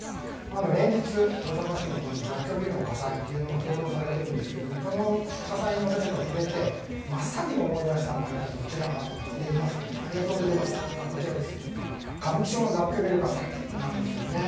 連日、大阪市の雑居ビルの火災が報道されているんですがこの火災に触れて、真っ先に思い出したのが歌舞伎町の雑居ビル火災ですね。